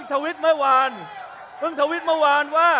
คุณจิลายุเขาบอกว่ามันควรทำงานร่วมกัน